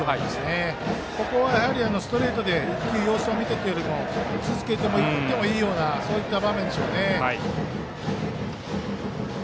ここはやはりストレートで１球様子を見てというよりも続けていってもいいような場面でしょうね。